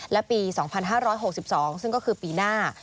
และปี๒๕๖๒ซึ่งก็คือปีหน้า